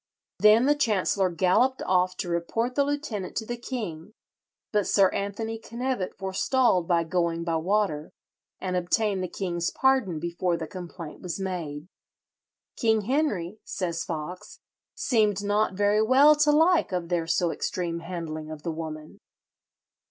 Then the chancellor galloped off to report the lieutenant to the king; but Sir Anthony Knevet forestalled by going by water, and obtained the king's pardon before the complaint was made. "King Henry," says Foxe, "seemed not very well to like of their so extreme handling of the woman."